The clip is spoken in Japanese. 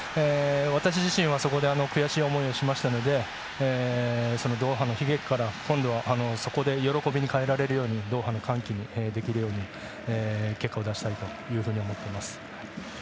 私自身はそこで悔しい思いをしましたのでドーハの悲劇からそこで喜びに変えられるようにドーハの歓喜にできるように結果を出したいと思っています。